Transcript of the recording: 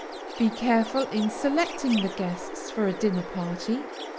Be careful in selecting the guests for a dinner party.